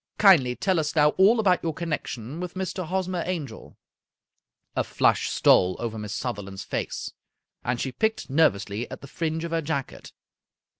Kindly tell us now all about your connection with Mr. Hosmer Angel." A flush stole over Miss Sutherland's face, and she picked nervously at the fringe of her jacket.